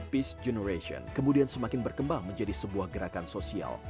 peace generation kemudian semakin berkembang menjadi sebuah gerakan sosial